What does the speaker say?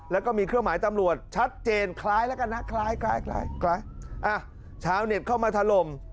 แล้วก็มีเครื่องหมายตำรวจชัดเจนคล้ายแล้วกันนะคล้ายคล้ายอ่ะชาวเน็ตเข้ามาถล่ม